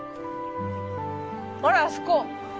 ほらあそこ。